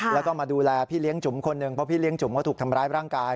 แล้วก็มาดูแลพี่เลี้ยงจุ๋มคนหนึ่งเพราะพี่เลี้ยจุ๋มก็ถูกทำร้ายร่างกาย